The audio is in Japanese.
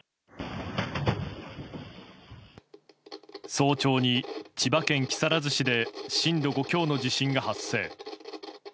早朝に千葉県木更津市で震度５強の地震が発生。